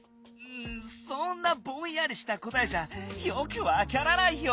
そんなぼんやりしたこたえじゃよくわからないよ！